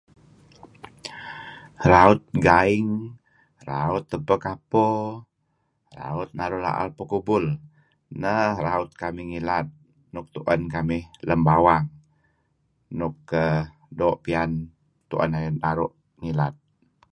Raut gaing, raut tebpek apo, raut natu' la'el pekubul, neh raut kamih ngilad nuk tu'en kamih lem bawang nuk doo' piyan tu'en narih naru' ngilad.